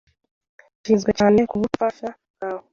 Nshinzwe cyane kubufasha bwawe.